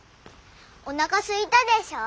おなかすいたでしょ？